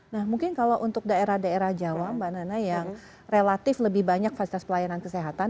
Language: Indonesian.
nah mungkin kalau untuk daerah daerah jawa mbak nana yang relatif lebih banyak fasilitas pelayanan kesehatan